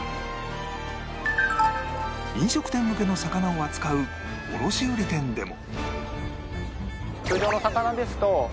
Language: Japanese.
飲食店向けの魚を扱う卸売店でも